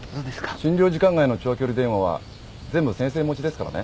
診療時間外の長距離電話は全部先生持ちですからね。